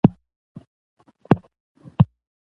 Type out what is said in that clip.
افغانستان کې تاریخ د ټولو خلکو د خوښې وړ یو ښکلی ځای دی.